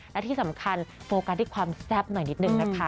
และที่สำคัญโฟกัสที่ความแซ่บหน่อยนิดนึงนะคะ